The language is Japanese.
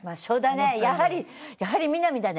やはりやはりみな実だね！